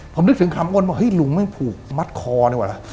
ผมนึกถึงคำอ้นว่าเฮ้ยลุงไม่ผูกมัดคอดีกว่าล่ะ